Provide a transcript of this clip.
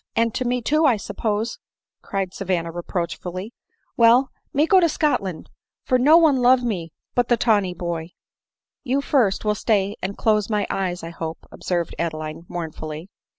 " And to me too, I suppose," replied Savanna reproach fully. " Well — me go to Scotland ; for no one love me but the tawny boy." " You first will stay and close my eyes, I hope !" observed Adeline mournfully.